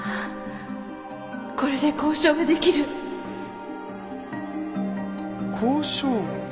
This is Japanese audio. これで交渉ができる！交渉？